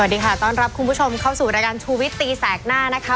สวัสดีค่ะต้อนรับคุณผู้ชมเข้าสู่รายการชูวิตตีแสกหน้านะคะ